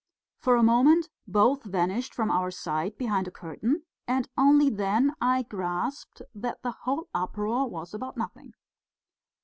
For a moment both vanished from our sight behind a curtain, and only then I grasped that the whole uproar was about nothing.